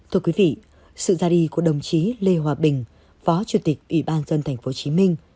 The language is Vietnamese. thưa quý vị sự ra đi của đồng chí lê hòa bình phó chủ tịch vĩ bát dân tp hcm